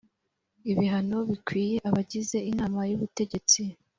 ibihano bikwiye abagize inama y ubutegetsi